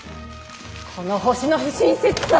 この星の不親切さ！